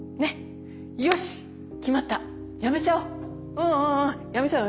うんうんうんやめちゃおう